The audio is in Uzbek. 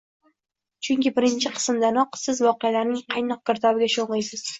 chunki birinchi qismdanoq siz voqealarning qaynoq girdobiga sho’ng’iysiz.